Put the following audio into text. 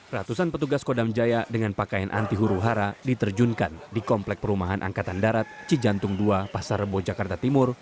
ratusan petugas kodam jaya dengan pakaian anti huru hara diterjunkan di komplek perumahan angkatan darat cijantung dua pasar rebo jakarta timur